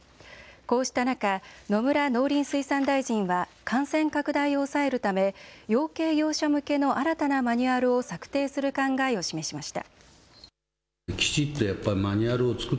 こうした中、野村農林水産大臣は感染拡大を抑えるため、養鶏業者向けの新たなマニュアルを策定する考えを示しました。